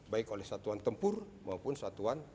baik oleh satuan tempur maupun satuan